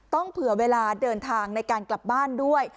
เผื่อเวลาเดินทางในการกลับบ้านด้วย